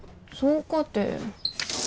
そうかて。